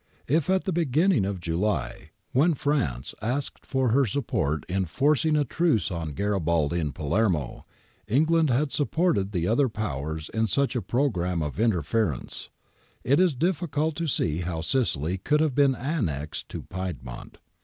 If at the beginning of July, when France asked for her support in forcing a truce on Gari baldi in Palermo, England had supported the other Powers in such a programme of interference, it is difficult to see how Sicil} could have been annexed to Piedmont.